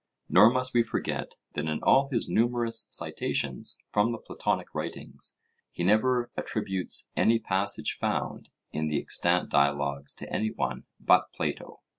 Nor must we forget that in all his numerous citations from the Platonic writings he never attributes any passage found in the extant dialogues to any one but Plato.